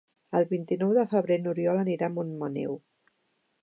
El vint-i-nou de febrer n'Oriol anirà a Montmaneu.